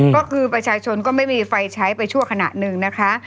ก็คือประชาชนก็ไม่มีไฟใช้ไปชั่วขณะหนึ่งนะคะ